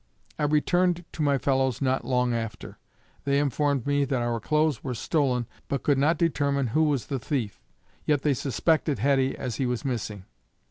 I returned to my fellows not long after. They informed me that our clothes were stolen, but could not determine who was the thief, yet they suspected Heddy as he was missing.